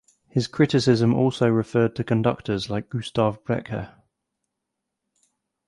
His criticism also referred to conductors like Gustav Brecher.